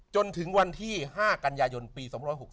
จนถึงวันที่๕กันยายนปี๒๖๖